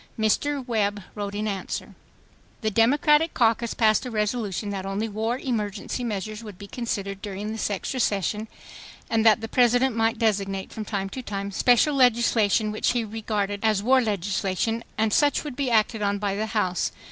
Mr. Webb wrote in answer: "The Democratic caucus passed a resolution that only war emergency measures would be considered during this extra session, and that the President might designate from time to time special legislation which he regarded as war legislation, and such would be acted on by the House.